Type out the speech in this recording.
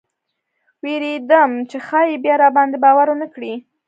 ویرېدم چې ښایي بیا راباندې باور ونه کړي.